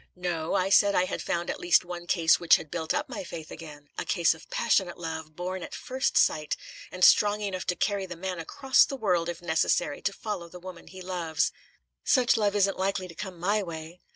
"No; I said I had found at least one case which had built up my faith again; a case of passionate love, born at first sight, and strong enough to carry the man across the world, if necessary, to follow the woman he loves." "Such love isn't likely to come my way."